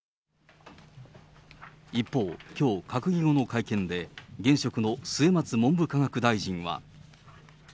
一方、きょう、閣議後の会見で現職の末松文部科学大臣は。